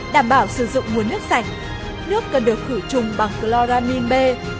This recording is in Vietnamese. đảm bảo sử dụng nguồn nước sạch nước cần được khử trùng bằng chloramin b